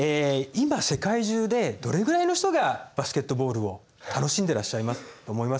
今世界中でどれぐらいの人がバスケットボールを楽しんでらっしゃいますと思います？